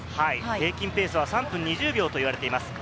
平均ペースは３分２０秒といわれています。